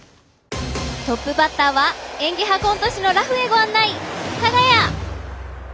「トップバッターは演技派コント師のらふへご案内！」。